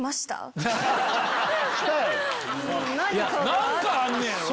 何かあんねやろな。